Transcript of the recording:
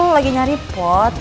lagi nyari pot